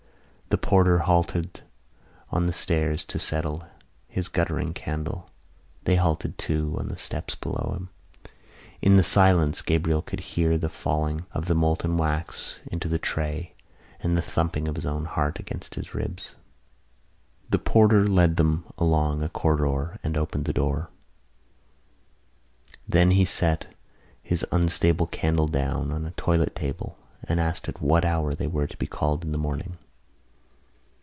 The porter halted on the stairs to settle his guttering candle. They halted too on the steps below him. In the silence Gabriel could hear the falling of the molten wax into the tray and the thumping of his own heart against his ribs. The porter led them along a corridor and opened a door. Then he set his unstable candle down on a toilet table and asked at what hour they were to be called in the morning.